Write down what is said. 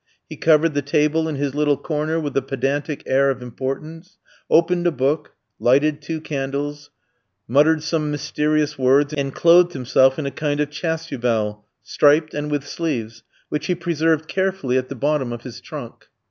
He covered the table in his little corner with a pedantic air of importance, opened a book, lighted two candles, muttered some mysterious words, and clothed himself in a kind of chasuble, striped, and with sleeves, which he preserved carefully at the bottom of his trunk.